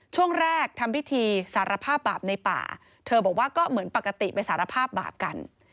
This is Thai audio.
ช่วงแรกทำพิธีสารภาพบาปในป่าเธอบอกว่าก็เหมือนปกติไปสารภาพบาปกัน